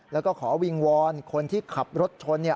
แล้วก็ขอวิงวอนคนที่ขับรถชน